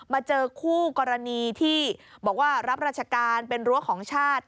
มาเจอคู่กรณีที่บอกว่ารับราชการเป็นรั้วของชาติ